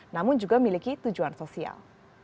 namun juga miliki tujuan sosial